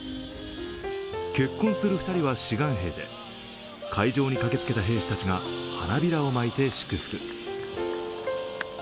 結婚する２人は志願兵で会場に駆けつけた兵士たちが花びらをまいて祝福。